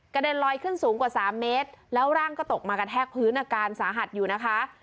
เด็นลอยขึ้นสูงกว่าสามเมตรแล้วร่างก็ตกมากระแทกพื้นอาการสาหัสอยู่นะคะ